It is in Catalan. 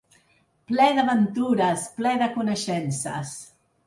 Ple d’aventures, ple de coneixences.